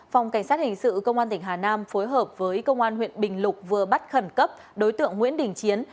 phòng cảnh sát hình sự công an tỉnh hà nam phối hợp với công an huyện bình lục vừa bắt khẩn cấp đối tượng nguyễn đình chiến